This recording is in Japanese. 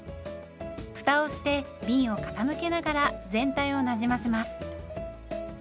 ふたをしてびんを傾けながら全体をなじませます。